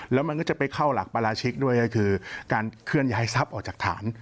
แล้วมันก็จะไปเข้าหลักปราชิกด้วยก็คือการเคลื่อนย้ายทรัพย์ออกจากฐาน